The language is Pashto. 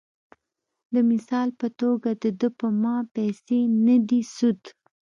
د مثال پۀ توګه د دۀ پۀ ما پېسې نۀ دي سود ،